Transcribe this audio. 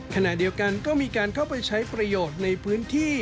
ขณะเดียวกันก็มีการเข้าไปใช้ประโยชน์ในพื้นที่